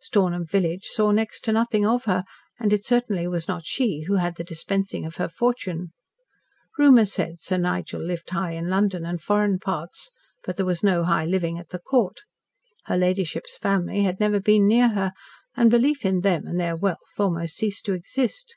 Stornham village saw next to nothing of her, and it certainly was not she who had the dispensing of her fortune. Rumour said Sir Nigel lived high in London and foreign parts, but there was no high living at the Court. Her ladyship's family had never been near her, and belief in them and their wealth almost ceased to exist.